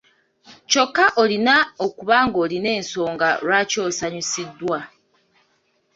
Kyokka olina okuba ng’olina ensonga lwaki osanyusiddwa.